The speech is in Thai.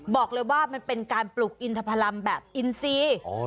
บอกเลยว่ามันเป็นการปลูกอินทพลัมแบบอินซี